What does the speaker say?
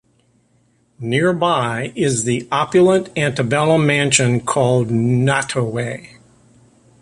Nearby is the opulent antebellum mansion called Nottoway.